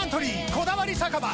「こだわり酒場